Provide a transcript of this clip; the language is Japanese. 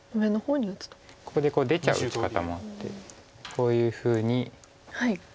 こういうふうに。